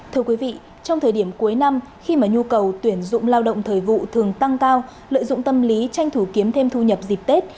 thưa quý vị trong thời điểm cuối năm khi mà nhu cầu tuyển dụng lao động thời vụ thường tăng cao lợi dụng tâm lý tranh thủ kiếm thêm thu nhập dịp tết